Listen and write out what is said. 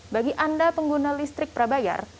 bagi anda pengguna listrik prabayar